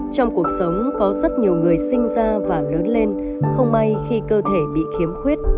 trong cuộc sống có rất nhiều người sinh ra và lớn lên không may khi cơ thể bị khiếm khuyết